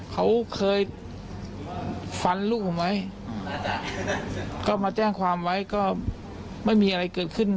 เขาเคยฟันลูกผมไว้ก็มาแจ้งความไว้ก็ไม่มีอะไรเกิดขึ้น